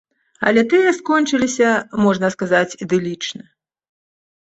Але тыя скончыліся, можна сказаць, ідылічна.